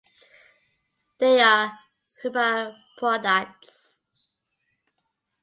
They are hermaphrodites.